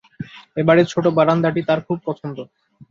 এ-বাড়ির ছোট বারান্দাটি তাঁর খুব পছন্দ।